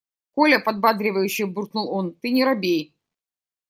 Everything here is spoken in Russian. – Коля, – подбадривающе буркнул он, – ты не робей.